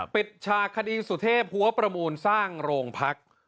ปิดฉากคดีสุเทพหัวประมูลสร้างโรงพัก